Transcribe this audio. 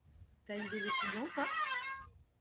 T'as eu des étudiants toi?